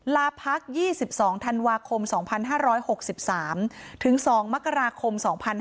ลาพัก๒๒ธันวาคม๒๕๖๓ถึง๒มกราคม๒๕๕๙